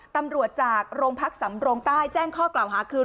ตำรวจจากโรงพักสำโรงใต้แจ้งข้อกล่าวหาคืน